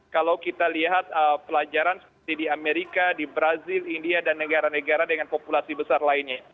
kalau kita lihat pelajaran seperti di amerika di brazil india dan negara negara dengan populasi besar lainnya